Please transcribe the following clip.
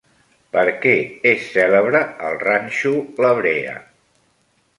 Per què és cèlebre el Ranxo La Brea?